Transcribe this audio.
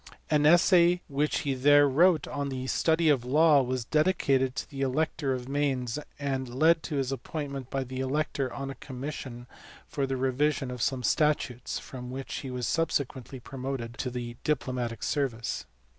An essay which he there wrote on the study of law was dedicated to the elector of Mainz, and led to his appointment by the elector on a commis sion for the revision of some statutes, from which he was subsequently promoted to the diplomatic service.